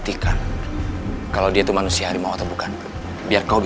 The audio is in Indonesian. tidak tidak tidak